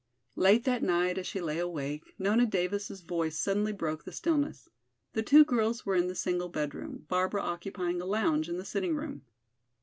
Late that night, as she lay awake, Nona Davis' voice suddenly broke the stillness. The two girls were in the single bedroom, Barbara occupying a lounge in the sitting room.